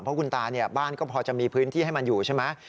เพราะคุณตาบ้านก็พอจะมีพื้นที่ให้มันอยู่ใช่ไหม